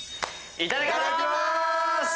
いただきます！